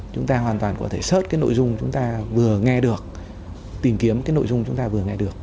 chúng ta hoàn toàn có thể xớt cái nội dung chúng ta vừa nghe được tìm kiếm cái nội dung chúng ta vừa nghe được